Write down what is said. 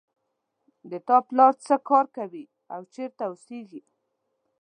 د تا پلار څه کار کوي او چېرته اوسیږي